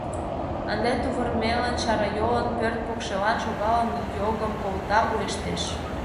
Ынде тувырмелын, чарайолын пӧрт покшелан шогалын, йогым колта, уэштеш.